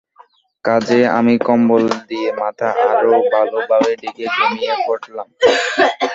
কাজেই আমি কম্বল দিয়ে মাথা আরও ভালো ভাবে ঢেকে ঘুমিয়ে পড়লাম।